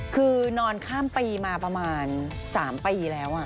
คือนอนข้ามปีมาประมาณ๓ปีแล้ว